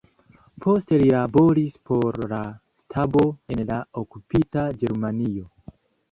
Poste li laboris por la stabo en la okupita Germanio.